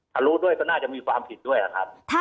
ถ้ารู้ด้วยก็น่าจะมีความผิดด้วยนะครับ